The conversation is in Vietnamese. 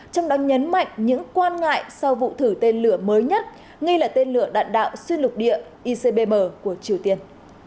trong đó nhấn mạnh những quan ngại sau vụ thử tên lửa mới nhất nghi là tên lửa đạn đạo xuyên lục địa icbm của triều tiên